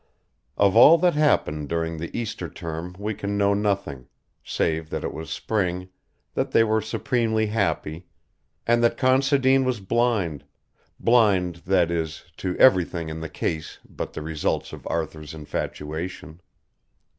Of all that happened during the Easter term we can know nothing, save that it was spring, that they were supremely happy, and that Considine was blind ... blind, that is, to everything in the case but the results of Arthur's infatuation.